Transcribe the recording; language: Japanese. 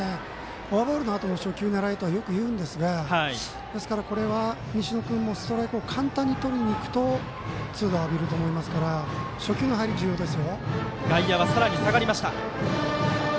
フォアボールのあとの初球狙えとはよく言うんですがこれは、西野君もストライクを簡単にとりにいくと初球の痛打浴びると思いますから初球の入り重要です。